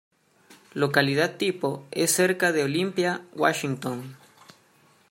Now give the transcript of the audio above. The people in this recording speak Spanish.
Localidad tipo es cerca de Olympia, Washington.